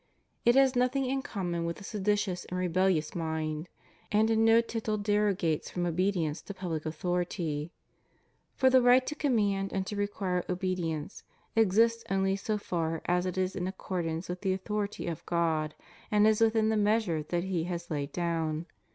It has nothing in common with a seditious and rebellious mind; and in no tittle derogates from obedience to public author ity; for the right to command and to require obedience exists only so far as it is in accordance with the authority of God, and is within the measure that He has laid down.